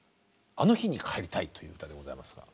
「あの日にかえりたい」という歌でございます。